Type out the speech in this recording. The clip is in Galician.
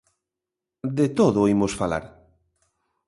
De todo imos falar.